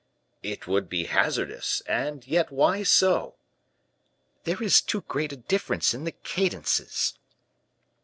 "It would be hazardous, and yet why so?" "There is too great a difference in the cadences."